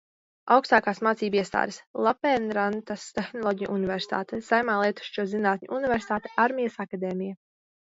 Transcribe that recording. Augstākās mācību iestādes: Lapēnrantas Tehnoloģiju universitāte, Saimā Lietišķo zinātņu universitāte, Armijas akadēmija.